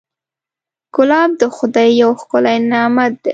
ګلاب د خدای یو ښکلی نعمت دی.